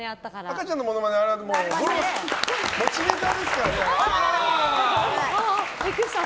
赤ちゃんのものまねは持ちネタですからね。